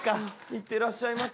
行ってらっしゃいませ。